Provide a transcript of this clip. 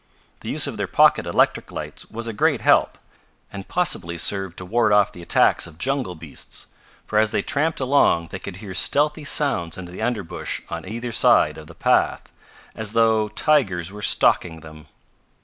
The use of their pocket electric lights was a great help, and possibly served to ward off the attacks of jungle beasts, for as they tramped along they could hear stealthy sounds in the underbush on either side of the path, as though tigers were stalking them.